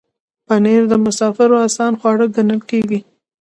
پنېر د مسافرو آسان خواړه ګڼل کېږي.